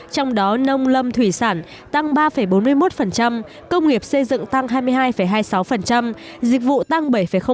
trong đó nông lâm thủy sản tăng ba bốn mươi một công nghiệp xây dựng tăng hai mươi hai hai mươi sáu dịch vụ tăng bảy